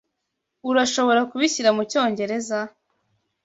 Urashobora kubishyira mucyongereza?